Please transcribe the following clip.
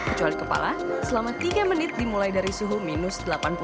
kecuali kepala selama tiga menit dimulai dari suhu minus delapan puluh